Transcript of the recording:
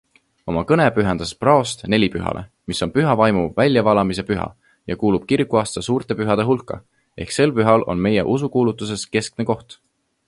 Oma kõne pühendas praost nelipühale, mis on Püha Vaimu väljavalamise püha ja kuulub kirikuaasta suurte pühade hulka ehk sel pühal on meie usukuulutuses keskne koht.